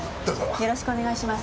よろしくお願いします。